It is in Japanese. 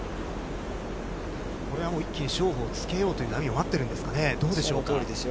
一気に勝負をつけようという波を待っているんでしょうか。